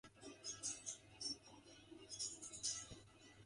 Some of the plot details were fictionalized.